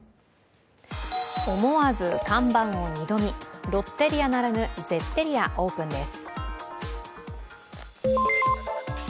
思わず看板を二度見、ロッテリアならぬゼッテリア、オープンです。